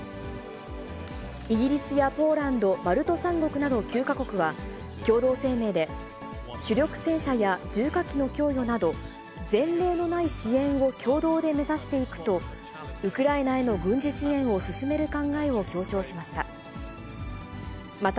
イギリスやポーランド、バルト３国など９か国は、共同声明で、主力戦車や重火器の供与など、前例のない支援を共同で目指していくと、ウクライナへの軍事支援を進める考えを強調しました。